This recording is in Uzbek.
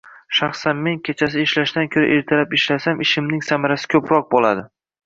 Shaxsan men kechasi ishlashdan ko’ra ertalab ishlasam ishimning samarasi ko’proq bo’ladi